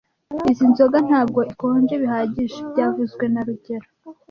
Izoi nzoga ntabwo ikonje bihagije byavuzwe na rugero